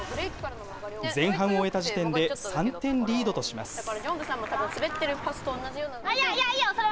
前半を終えた時点で、３点リードとします。